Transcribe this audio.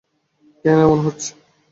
কেন এমন মনে হচ্ছে?